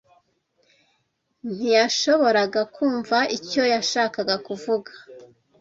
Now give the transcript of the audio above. Ntiyashoboraga kumva icyo yashakaga kuvuga.